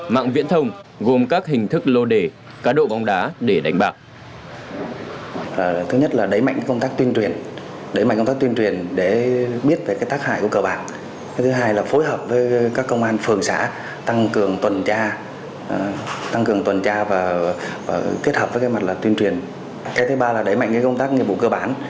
mạng viễn thông gồm các hình thức lô đề cá độ bóng đá để đánh bạc